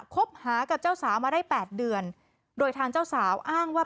คบหากับเจ้าสาวมาได้๘เดือนโดยทางเจ้าสาวอ้างว่า